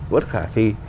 bất khả thi